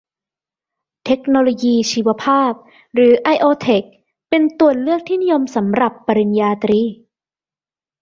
เทคโนโลยีชีวภาพ หรือ ไอโอเทค เป็นตัวเลือกที่นิยมสำหรับปริญญาตรี